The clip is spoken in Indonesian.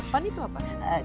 pan itu apa